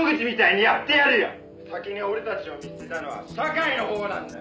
「先に俺たちを見捨てたのは社会のほうなんだよ」